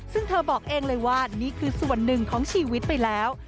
ซึ่งเธอบอกเองเลยว่านี่คือส่วนหนึ่งของชีวิตไปแล้ว